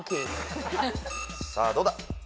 さあどうだ？